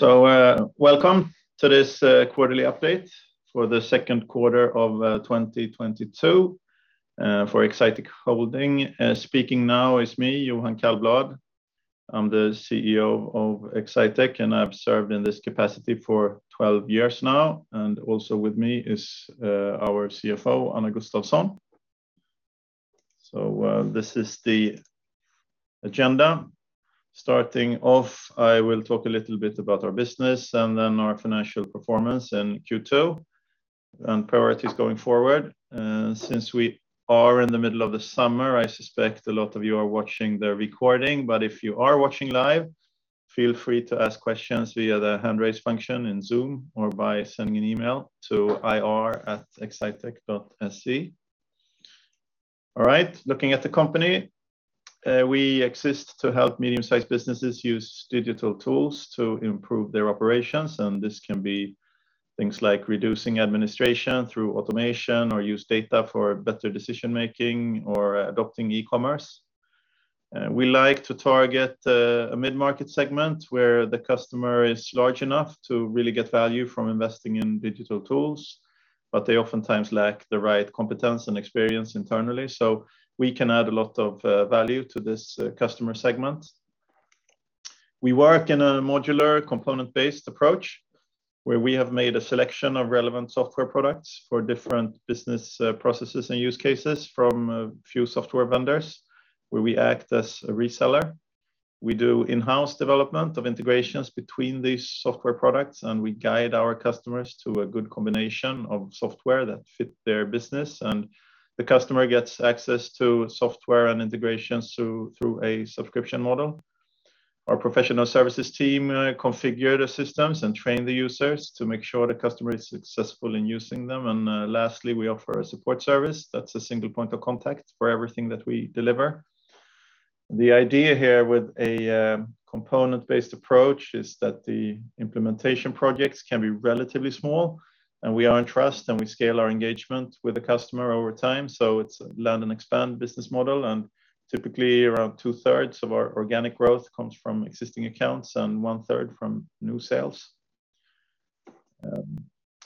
Welcome to this quarterly update for the second quarter of 2022 for Exsitec Holding. Speaking now is me, Johan Källblad. I'm the CEO of Exsitec, and I've served in this capacity for 12 years now. Also with me is our CFO, Anna Gustafsson. This is the agenda. Starting off, I will talk a little bit about our business and then our financial performance in Q2 and priorities going forward. Since we are in the middle of the summer, I suspect a lot of you are watching the recording. If you are watching live, feel free to ask questions via the hand raise function in Zoom or by sending an email to ir@exsitec.se. All right, looking at the company, we exist to help medium-sized businesses use digital tools to improve their operations, and this can be things like reducing administration through automation or use data for better decision-making or adopting e-commerce. We like to target a mid-market segment where the customer is large enough to really get value from investing in digital tools, but they oftentimes lack the right competence and experience internally. We can add a lot of value to this customer segment. We work in a modular component-based approach, where we have made a selection of relevant software products for different business processes and use cases from a few software vendors, where we act as a reseller. We do in-house development of integrations between these software products, and we guide our customers to a good combination of software that fit their business. The customer gets access to software and integrations through a subscription model. Our professional services team configure the systems and train the users to make sure the customer is successful in using them. Lastly, we offer a support service that's a single point of contact for everything that we deliver. The idea here with a component-based approach is that the implementation projects can be relatively small, and we earn trust, and we scale our engagement with the customer over time. It's land and expand business model, and typically around 2/3 of our organic growth comes from existing accounts and 1/3 from new sales.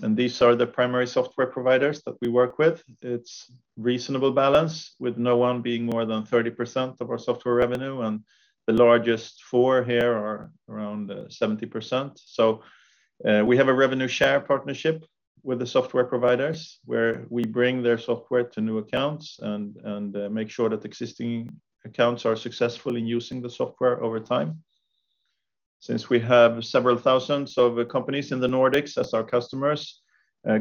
These are the primary software providers that we work with. It's reasonable balance with no one being more than 30% of our software revenue, and the largest four here are around 70%. We have a revenue share partnership with the software providers, where we bring their software to new accounts and make sure that existing accounts are successful in using the software over time. Since we have several thousands of companies in the Nordics as our customers,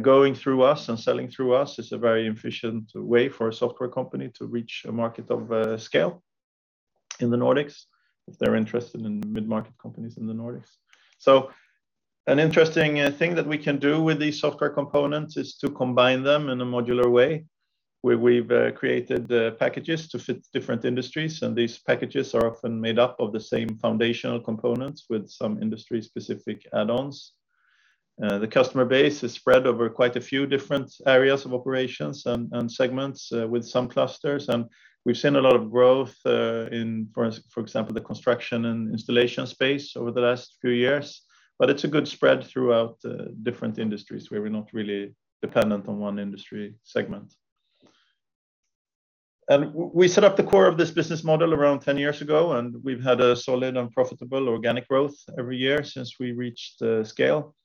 going through us and selling through us is a very efficient way for a software company to reach a market of scale in the Nordics if they're interested in mid-market companies in the Nordics. An interesting thing that we can do with these software components is to combine them in a modular way, where we've created the packages to fit different industries, and these packages are often made up of the same foundational components with some industry-specific add-ons. The customer base is spread over quite a few different areas of operations and segments, with some clusters. We've seen a lot of growth, for example, in the construction and installation space over the last few years. It's a good spread throughout different industries, where we're not really dependent on one industry segment. We set up the core of this business model around 10 years ago, and we've had a solid and profitable organic growth every year since we reached the scale.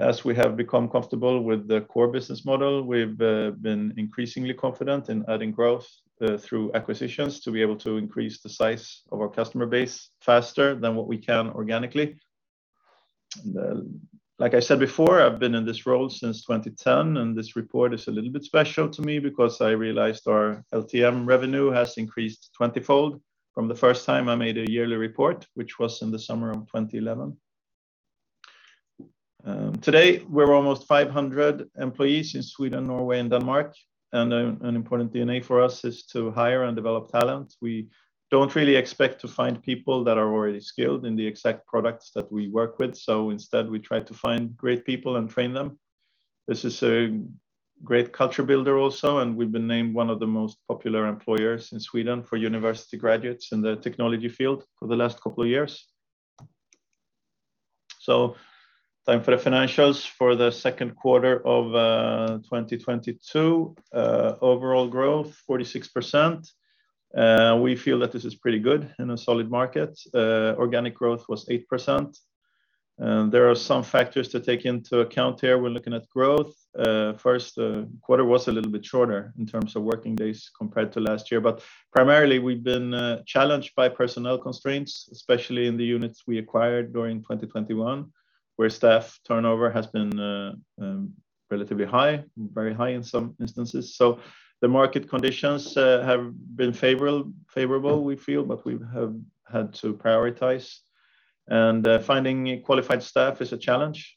As we have become comfortable with the core business model, we've been increasingly confident in adding growth through acquisitions to be able to increase the size of our customer base faster than what we can organically. Like I said before, I've been in this role since 2010, and this report is a little bit special to me because I realized our LTM revenue has increased 20-fold from the first time I made a yearly report, which was in the summer of 2011. Today we're almost 500 employees in Sweden, Norway, and Denmark, and an important DNA for us is to hire and develop talent. We don't really expect to find people that are already skilled in the exact products that we work with, so instead, we try to find great people and train them. This is a great culture builder also, and we've been named one of the most popular employers in Sweden for university graduates in the technology field for the last couple of years. Time for the financials. For the second quarter of 2022, overall growth 46%. We feel that this is pretty good in a solid market. Organic growth was 8%. There are some factors to take into account here when looking at growth. First quarter was a little bit shorter in terms of working days compared to last year, but primarily we've been challenged by personnel constraints, especially in the units we acquired during 2021, where staff turnover has been relatively high, very high in some instances. The market conditions have been favorable, we feel, but we've had to prioritize. Finding qualified staff is a challenge,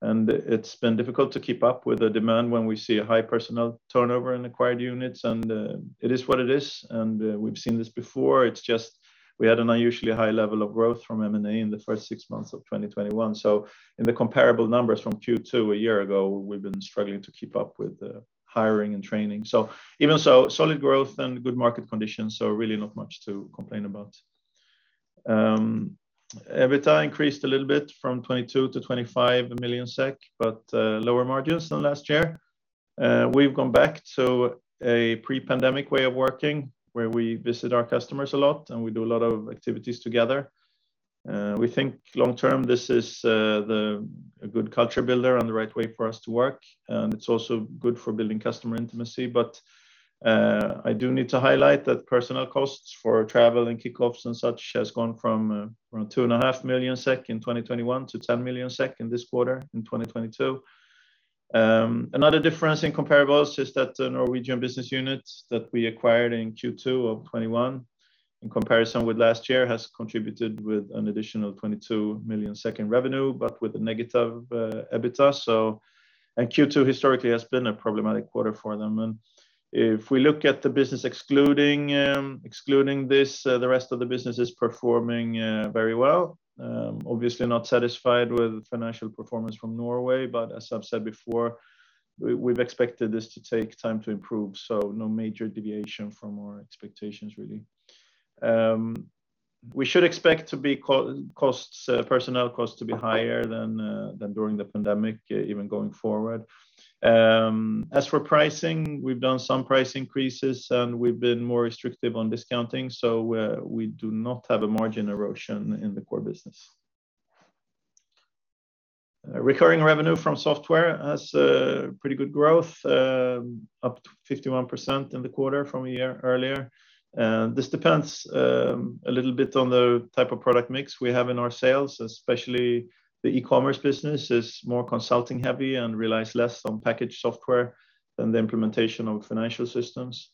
and it's been difficult to keep up with the demand when we see a high personnel turnover in acquired units. It is what it is, and we've seen this before. It's just we had an unusually high level of growth from M&A in the first six months of 2021. In the comparable numbers from Q2 a year ago, we've been struggling to keep up with the hiring and training. Even so, solid growth and good market conditions, so really not much to complain about. EBITDA increased a little bit from 22 million-25 million SEK, but lower margins than last year. We've gone back to a pre-pandemic way of working, where we visit our customers a lot and we do a lot of activities together. We think long-term, this is a good culture builder and the right way for us to work, and it's also good for building customer intimacy. I do need to highlight that personnel costs for travel and kick-offs and such has gone from 2.5 million SEK in 2021 to 10 million SEK in this quarter in 2022. Another difference in comparables is that the Norwegian business unit that we acquired in Q2 of 2021, in comparison with last year, has contributed with an additional 22 million in revenue, but with a negative EBITDA. Q2 historically has been a problematic quarter for them. If we look at the business excluding this, the rest of the business is performing very well. Obviously not satisfied with the financial performance from Norway, but as I've said before, we've expected this to take time to improve, so no major deviation from our expectations, really. We should expect personnel costs to be higher than during the pandemic, even going forward. As for pricing, we've done some price increases, and we've been more restrictive on discounting, so we do not have a margin erosion in the core business. Recurring revenue from software has pretty good growth, up to 51% in the quarter from a year earlier. This depends a little bit on the type of product mix we have in our sales, especially the e-commerce business is more consulting heavy and relies less on packaged software than the implementation of financial systems.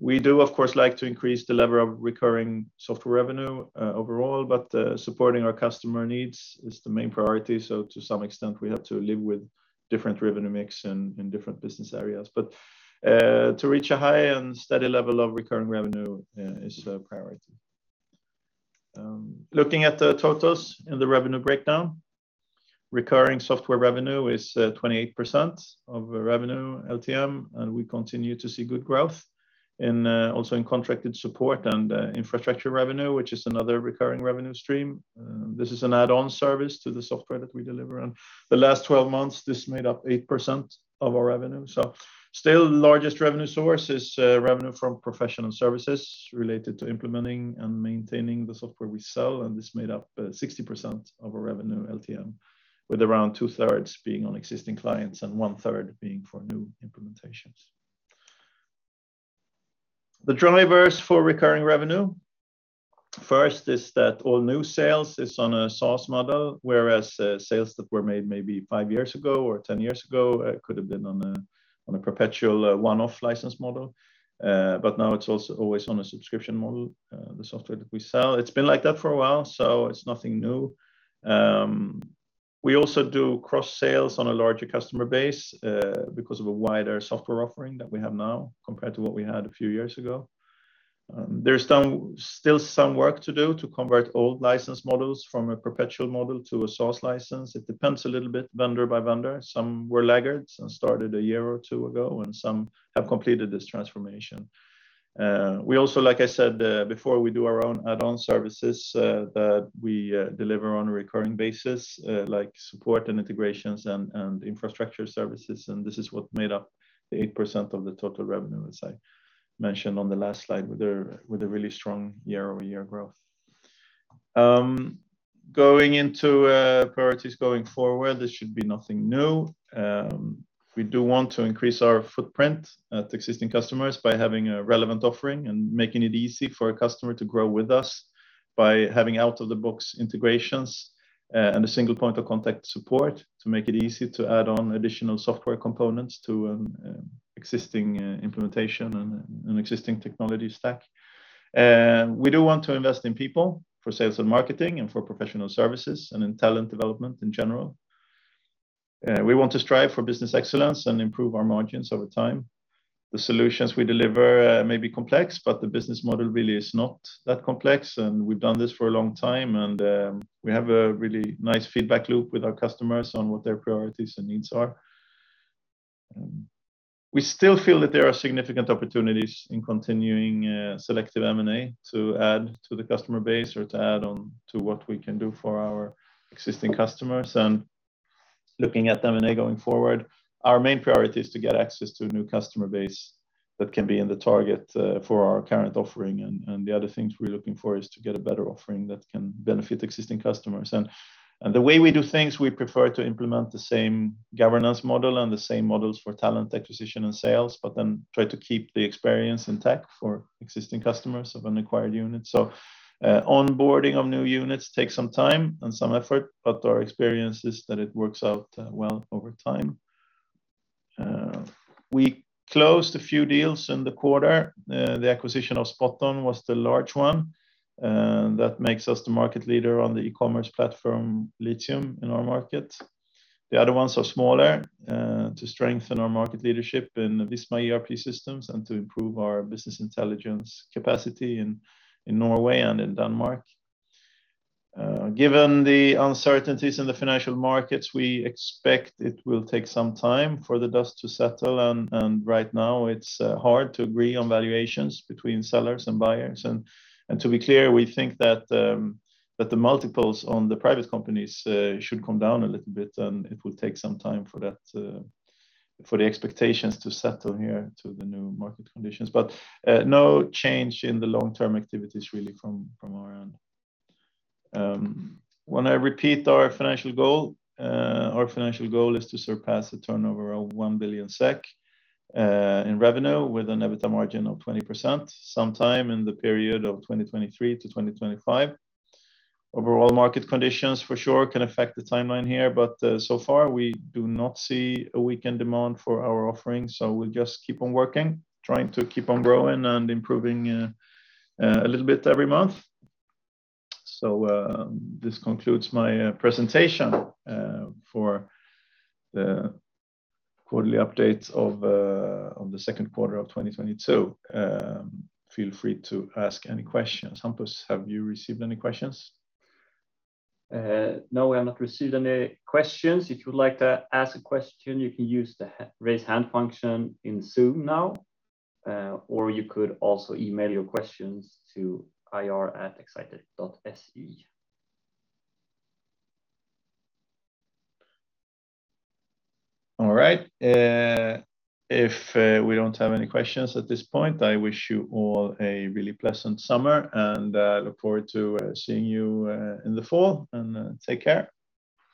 We do of course like to increase the level of recurring software revenue overall, but supporting our customer needs is the main priority. To some extent, we have to live with different revenue mix in different business areas. To reach a high and steady level of recurring revenue is a priority. Looking at the totals in the revenue breakdown, recurring software revenue is 28% of revenue LTM, and we continue to see good growth in also in contracted support and infrastructure revenue, which is another recurring revenue stream. This is an add-on service to the software that we deliver. In the last twelve months, this made up 8% of our revenue. Still largest revenue source is revenue from professional services related to implementing and maintaining the software we sell, and this made up 60% of our revenue LTM, with around 2/3 being on existing clients and 1/3 being for new implementations. The drivers for recurring revenue. First is that all new sales is on a SaaS model, whereas sales that were made maybe five years ago or 10 years ago could have been on a perpetual one-off license model. Now it's also always on a subscription model, the software that we sell. It's been like that for a while. It's nothing new. We also do cross sales on a larger customer base because of a wider software offering that we have now compared to what we had a few years ago. There's still some work to do to convert old license models from a perpetual model to a SaaS license. It depends a little bit, vendor by vendor. Some were laggards and started one year or two years ago, and some have completed this transformation. We also, like I said, before, we do our own add-on services that we deliver on a recurring basis, like support and integrations and infrastructure services. This is what made up the 8% of the total revenue, as I mentioned on the last slide, with a really strong year-over-year growth. Going into priorities going forward, this should be nothing new. We do want to increase our footprint at existing customers by having a relevant offering and making it easy for a customer to grow with us by having out-of-the-box integrations and a single point of contact support to make it easy to add on additional software components to existing implementation and an existing technology stack. We do want to invest in people for sales and marketing and for professional services and in talent development in general. We want to strive for business excellence and improve our margins over time. The solutions we deliver may be complex, but the business model really is not that complex, and we've done this for a long time, and we have a really nice feedback loop with our customers on what their priorities and needs are. We still feel that there are significant opportunities in continuing selective M&A to add to the customer base or to add on to what we can do for our existing customers. Looking at M&A going forward, our main priority is to get access to a new customer base that can be in the target for our current offering. The other things we're looking for is to get a better offering that can benefit existing customers. The way we do things, we prefer to implement the same governance model and the same models for talent acquisition and sales, but then try to keep the experience intact for existing customers of an acquired unit. Onboarding of new units takes some time and some effort, but our experience is that it works out well over time. We closed a few deals in the quarter. The acquisition of Spot On was the large one. That makes us the market leader on the e-commerce platform, Litium, in our market. The other ones are smaller, to strengthen our market leadership in Visma ERP systems and to improve our business intelligence capacity in Norway and in Denmark. Given the uncertainties in the financial markets, we expect it will take some time for the dust to settle. Right now it's hard to agree on valuations between sellers and buyers. To be clear, we think that the multiples on the private companies should come down a little bit, and it will take some time for that, for the expectations to settle here to the new market conditions. No change in the long-term activities really from our end. Want to repeat our financial goal. Our financial goal is to surpass a turnover of 1 billion SEK in revenue with an EBITDA margin of 20% sometime in the period of 2023-2025. Overall market conditions for sure can affect the timeline here, but so far, we do not see a weakened demand for our offering, so we'll just keep on working, trying to keep on growing and improving, a little bit every month. This concludes my presentation for the quarterly update on the second quarter of 2022. Feel free to ask any questions. Hampus, have you received any questions? No, we have not received any questions. If you would like to ask a question, you can use the raise hand function in Zoom now, or you could also email your questions to ir@exsitec.se. All right. If we don't have any questions at this point, I wish you all a really pleasant summer, and look forward to seeing you in the fall. Take care.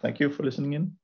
Thank you for listening in.